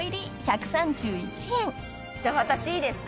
じゃあ私いいですか？